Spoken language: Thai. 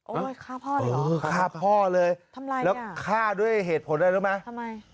โอ้ยฆ่าพ่อดีหรอฆ่าพ่อเลยแล้วฆ่าด้วยเหตุผลได้รู้มั้ยทำไม